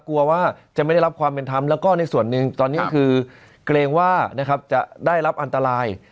กลัวว่าจะไม่ได้รับความเป็นธรรมแล้วก็ในส่วนหนึ่งตอนนี้คือเกรงว่าจะได้รับอันตราย